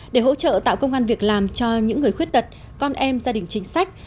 để hỗ trợ tạo công an việc làm cho những người khuyết tật con em gia đình chính sách